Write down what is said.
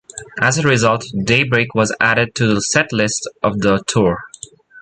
As a result, "Daybreak" was added to the set-list off the tour.